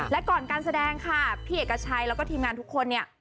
และก่อนการแสดงค่ะพี่เอกชัยแล้วก็ทีมงานทุกคนเนี่ย